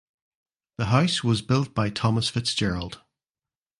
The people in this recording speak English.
The house was built by Thomas Fitzgerald.